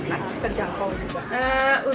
akhirnya kerja kok juga